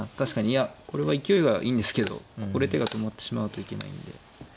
いやこれは勢いはいいんですけどここで手が止まってしまうといけないので。